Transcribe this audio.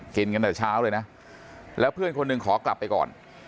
กินกันแต่เช้าเลยนะแล้วเพื่อนคนหนึ่งขอกลับไปก่อน